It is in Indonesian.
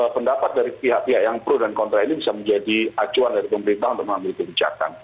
pendapat dari pihak pihak yang pro dan kontra ini bisa menjadi acuan dari pemerintah untuk mengambil kebijakan